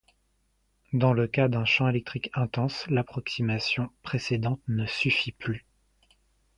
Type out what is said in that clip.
Dans le cas d'un champ électrique intense, l'approximation précédente ne suffit plus.